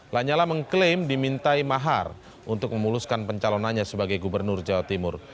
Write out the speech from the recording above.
lanyala mengklaim dimintai mahar untuk memuluskan pencalonannya sebagai gubernur jawa timur